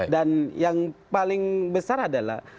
dan yang paling besar adalah